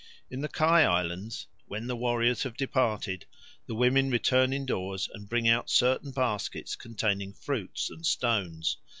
In the Kei Islands, when the warriors have departed, the women return indoors and bring out certain baskets containing fruits and stones.